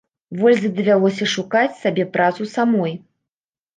Вользе давялося шукаць сабе працу самой.